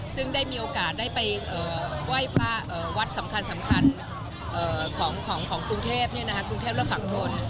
ซึ่งได้มีโอกาสได้ไปไหว้วัดสำคัญของกรุงเทพและฝังพล